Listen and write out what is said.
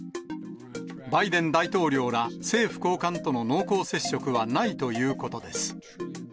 バイデン大統領ら政府高官との濃厚接触はないということです。